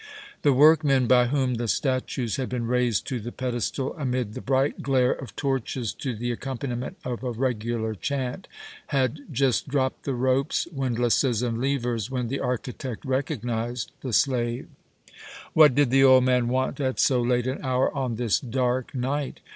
The workmen by whom the statues had been raised to the pedestal, amid the bright glare of torches, to the accompaniment of a regular chant, had just dropped the ropes, windlasses, and levers, when the architect recognized the slave. What did the old man want at so late an hour on this dark night?